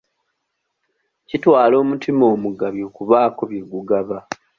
Kitwala omutima omugabi okubaako bye gugaba.